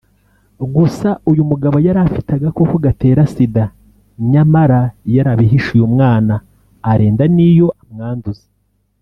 Gusa uyu mugabo yari afite agakoko gatera Sida nyamara yarabihishe uyu mwana arinda n’iyo amwanduza